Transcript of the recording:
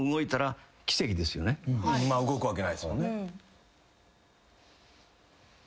動くわけないっすもんね。